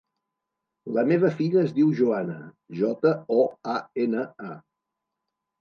La meva filla es diu Joana: jota, o, a, ena, a.